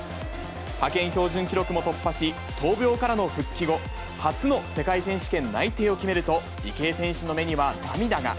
派遣標準記録も突破し、闘病からの復帰後、初の世界選手権内定を決めると、池江選手の目には涙が。